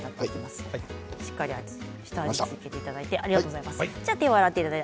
しっかり下味付けていただいてありがとうございます。